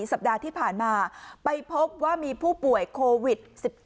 สัปดาห์ที่ผ่านมาไปพบว่ามีผู้ป่วยโควิด๑๙